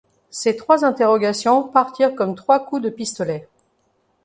Ces trois interrogations partirent comme trois coups de pistolet.